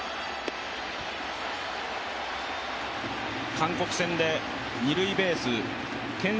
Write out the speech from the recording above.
韓国戦で二塁ベースけん